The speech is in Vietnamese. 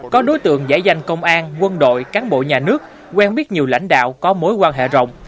có đối tượng giải danh công an quân đội cán bộ nhà nước quen biết nhiều lãnh đạo có mối quan hệ rộng